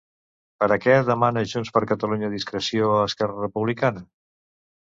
Per a què demana Junts per Catalunya discreció a Esquerra Republicana?